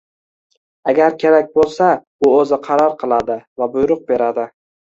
Agar kerak bo'lsa, u o'zi qaror qiladi va buyruq beradi